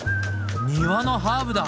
庭のハーブだ！